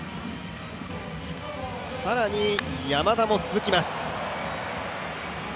更に、山田も続きます。